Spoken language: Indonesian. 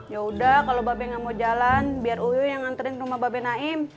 ya udah kalau be gak mau jalan biar uyu yang anterin ke rumah be naim